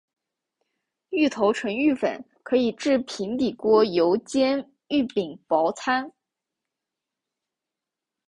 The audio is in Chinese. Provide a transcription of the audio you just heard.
芋头成芋粉可以制平底锅油煎芋饼薄餐。